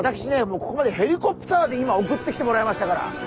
もうここまでヘリコプターで今送ってきてもらいましたから。